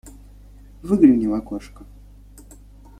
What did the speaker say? Выгляни в окошко.